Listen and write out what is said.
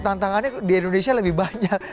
tantangannya di indonesia lebih banyak